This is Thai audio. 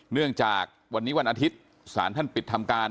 เนื่องจากวันนี้วันอาทิตย์สารท่านปิดทำการ